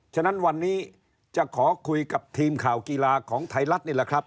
ฉะนั้นวันนี้จะขอคุยกับทีมข่าวกีฬาของไทยรัฐนี่แหละครับ